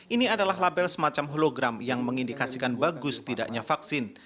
ini adalah label semacam hologram yang mengindikasikan bagus tidaknya vaksin